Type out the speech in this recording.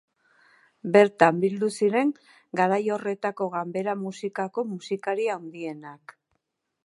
Bertan bildu ziren garai horretako ganbera-musikako musikari handienak.